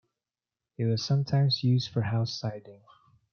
It was sometimes used for house siding.